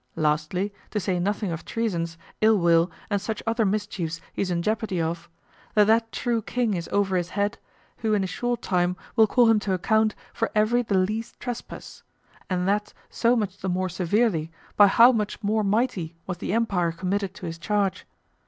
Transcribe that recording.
Lastly, to say nothing of treasons, ill will, and such other mischiefs he's in jeopardy of, that that True King is over his head, who in a short time will call him to account for every the least trespass, and that so much the more severely by how much more mighty was the empire committed to his charge.